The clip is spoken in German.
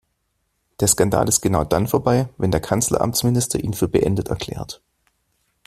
Der Skandal ist genau dann vorbei, wenn der Kanzleramtsminister ihn für beendet erklärt.